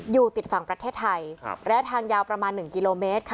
อยู่ติดฝั่งประเทศไทยระยะทางยาวประมาณ๑กิโลเมตรค่ะ